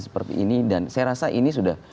seperti ini dan saya rasa ini sudah